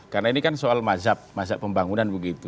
karena ini kan soal mazhab mazhab pembangunan begitu